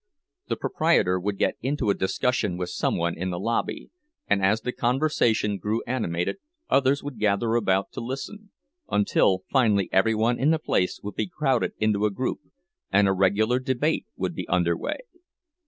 The proprietor would get into a discussion with some one in the lobby, and as the conversation grew animated, others would gather about to listen, until finally every one in the place would be crowded into a group, and a regular debate would be under way.